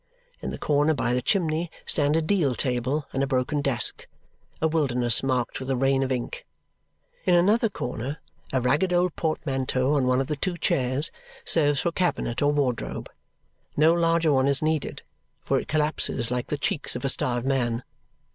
In the corner by the chimney stand a deal table and a broken desk, a wilderness marked with a rain of ink. In another corner a ragged old portmanteau on one of the two chairs serves for cabinet or wardrobe; no larger one is needed, for it collapses like the cheeks of a starved man.